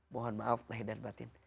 mohon maaf lahir dan batin